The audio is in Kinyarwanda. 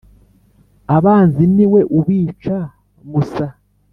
abanzi ni we ubica musa,